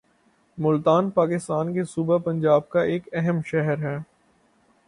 ملتان پاکستان کے صوبہ پنجاب کا ایک اہم شہر ہے